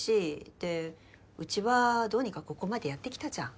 でうちはどうにかここまでやってきたじゃん。